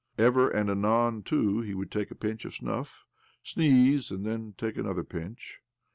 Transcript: Ever and anon, too, he would take a pinch of snuff, sneeze, and then take another pinch.